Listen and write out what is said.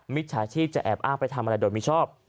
มิจฉาชีพจะแอบอ้างไปทำอะไรโดยมิชอบ